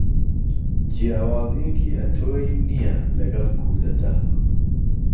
جیاوازیەکی ئەتۆی نییە لەگەل کودەتا.